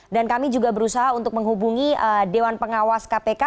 dan kami juga berusaha untuk menghubungi dewan pengawas kpk